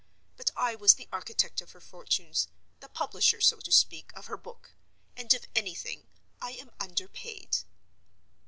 But I was the architect of her fortunes—the publisher, so to speak, of her book—and, if anything, I am underpaid.